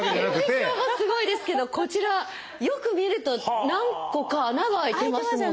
顕微鏡もすごいですけどこちらよく見ると何個か穴が開いてますもんね。